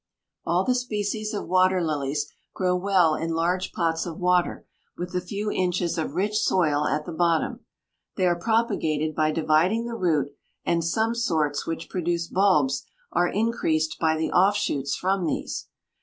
All the species of water lilies grow well in large pots of water with a few inches of rich soil at the bottom. They are propagated by dividing the root, and some sorts which produce bulbs are increased by the offshoots from these.